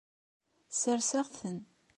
Sserɣeɣ-ten.